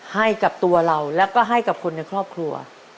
ให้กับตัวเราแล้วก็ให้กับคนในครอบครัว